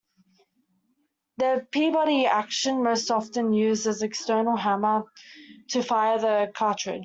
The Peabody action most often used an external hammer to fire the cartridge.